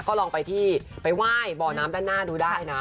ก็ลองไปที่ไปไหว้บ่อน้ำด้านหน้าดูได้นะ